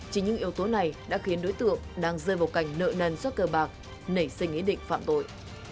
chỉ những yếu tố này đã khiến đối tượng đang rơi vào cảnh nợ nần suất cờ bạc nảy sinh ý định phạm tội